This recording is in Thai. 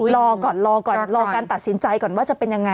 รอก่อนรอการตัดสินใจก่อนว่าจะเป็นอย่างไร